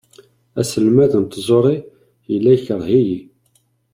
Aselmad n tẓuri yella ikreh-iyi.